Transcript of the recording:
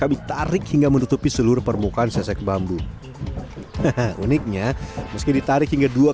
kami tarik hingga menutupi seluruh permukaan sesek bambu uniknya meski ditarik hingga dua